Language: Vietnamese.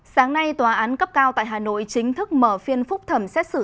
sáng nay tòa án cấp cao tại hà nội chính thức mở phiên phúc thẩm xét xử